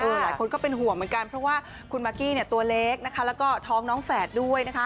หลายคนก็เป็นห่วงเหมือนกันเพราะว่าคุณมากกี้เนี่ยตัวเล็กนะคะแล้วก็ท้องน้องแฝดด้วยนะคะ